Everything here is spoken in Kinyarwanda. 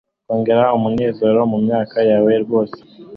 kongera umunezero mumyaka yawe rwose